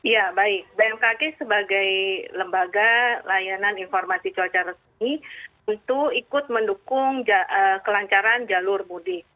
ya baik bmkg sebagai lembaga layanan informasi cuaca resmi untuk ikut mendukung kelancaran jalur mudik